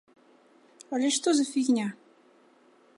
Але што за фігня?